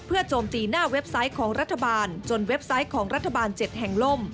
โจมตีหน้าเว็บไซต์ของรัฐบาลจนเว็บไซต์ของรัฐบาล๗แห่งล่ม